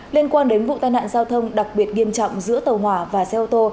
liên quan đến vụ tai nạn giao thông đặc biệt nghiêm trọng giữa tàu hỏa và xe ô tô